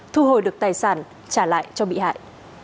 thu hồi được tài sản trả lại cho bị hại